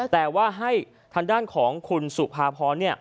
แต่ว่าให้ทางด้านของคุณสุภาพร